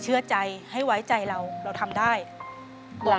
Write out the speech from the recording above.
เปลี่ยนเพลงเพลงเก่งของคุณและข้ามผิดได้๑คำ